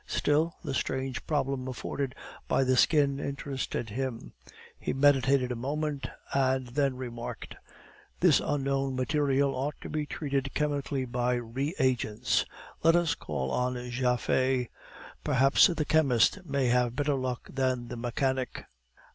Still, the strange problem afforded by the skin interested him; he meditated a moment, and then remarked: "This unknown material ought to be treated chemically by re agents. Let us call on Japhet perhaps the chemist may have better luck than the mechanic."